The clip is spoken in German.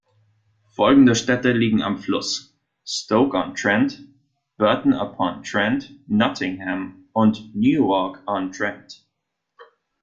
Folgende Städte liegen am Fluss: Stoke-on-Trent, Burton-upon-Trent, Nottingham und Newark-on-Trent.